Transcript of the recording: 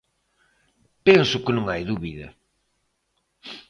Penso que non hai dúbida.